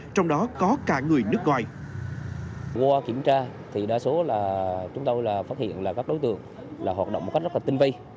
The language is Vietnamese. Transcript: trong đó có cả người nước ngoài